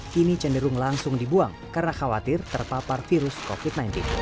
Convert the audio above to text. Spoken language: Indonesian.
kini cenderung langsung dibuang karena khawatir terpapar virus covid sembilan belas